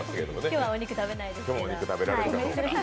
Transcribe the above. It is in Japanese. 今日はお肉食べないですけど。